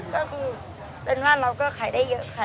ก็คือเป็นว่าเราก็ขายได้เยอะค่ะ